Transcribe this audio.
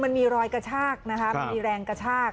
มันมีรอยกระชากนะคะมันมีแรงกระชาก